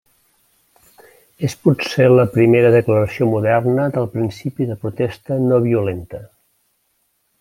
És potser la primera declaració moderna del principi de protesta no-violenta.